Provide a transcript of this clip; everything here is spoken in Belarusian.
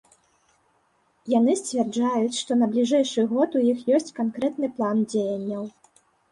Яны сцвярджаюць, што на бліжэйшы год у іх ёсць канкрэтны план дзеянняў.